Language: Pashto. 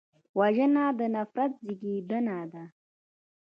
وژنه د نفرت زېږنده ده